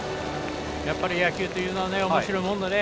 やっぱり野球というのはおもしろいものでね